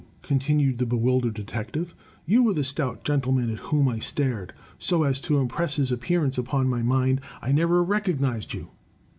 continued the bewildered detective; "you were the stout gentleman at whom I stared, so as to impress his appearance upon my mind, and I never recognized you!